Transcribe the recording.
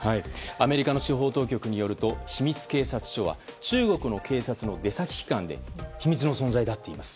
アメリカの司法当局によると秘密警察署は中国の警察の出先機関で秘密の存在だといいます。